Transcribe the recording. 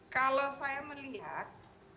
kalau saya melihat